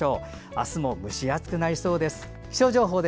明日も蒸し暑くなりそうです。